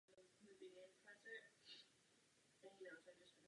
Musíme zavést utrpení.